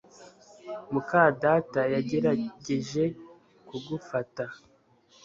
muka data yagerageje kugufata